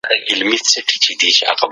دادی حالاتو سره